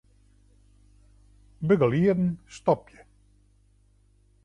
Begelieden stopje.